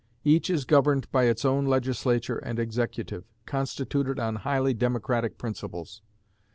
Each is governed by its own Legislature and executive, constituted on highly democratic principles.